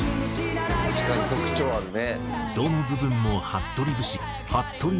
「確かに特徴あるね」